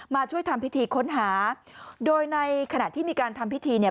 มาช่วยทำพิธีค้นหาโดยในขณะที่มีการทำพิธีเนี่ย